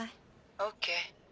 ＯＫ。